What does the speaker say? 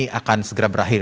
ini akan segera berakhir